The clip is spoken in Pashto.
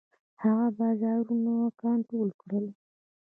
هغه بازارونه کنټرول کړل.